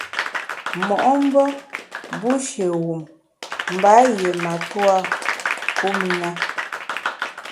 Mo’mbe bushi wum mba yié matua kum i na.